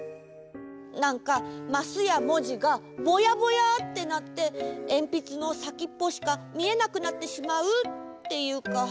なんかマスやもじがぼやぼやってなってえんぴつのさきっぽしかみえなくなってしまうっていうか。